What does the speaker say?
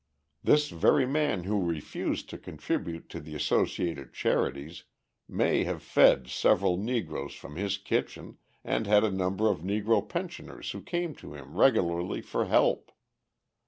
This very man who refused to contribute to the associated charities, may have fed several Negroes from his kitchen and had a number of Negro pensioners who came to him regularly for help.